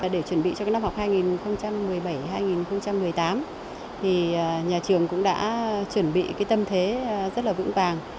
để chuẩn bị cho năm học hai nghìn một mươi bảy hai nghìn một mươi tám thì nhà trường cũng đã chuẩn bị tâm thế rất là vững vàng